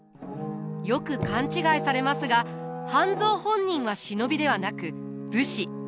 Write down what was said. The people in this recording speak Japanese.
よく勘違いされますが半蔵本人は忍びではなく武士。